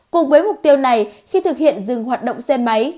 cùng với mục tiêu này khi thực hiện dừng hoạt động xe máy